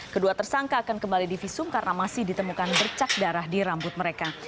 kedua tersangka akan kembali divisum karena masih ditemukan bercak darah di rambut mereka